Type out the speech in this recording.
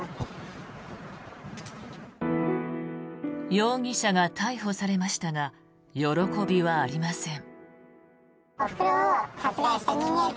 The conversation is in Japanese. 容疑者が逮捕されましたが喜びはありません。